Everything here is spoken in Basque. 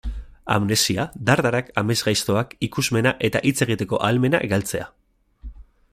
Amnesia, dardarak, amesgaiztoak, ikusmena eta hitz egiteko ahalmena galtzea...